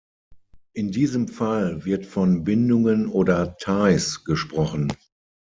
In diesem Fall wird von Bindungen oder "Ties" gesprochen.